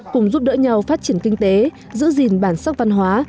cùng giúp đỡ nhau phát triển kinh tế giữ gìn bản sắc văn hóa